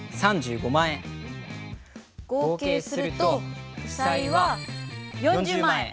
合計すると負債は４０万円。